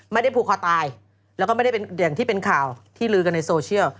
ไม่ได้ผูกคอตายแล้วก็ไม่ได้เป็นอย่างที่เป็นข่าวที่ลือกันในโซเชียล